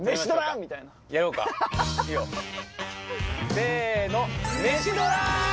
せの。